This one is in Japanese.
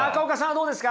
どうですか？